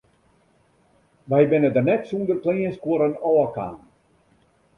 Wy binne der net sûnder kleanskuorren ôfkaam.